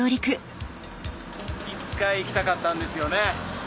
１回来たかったんですよね。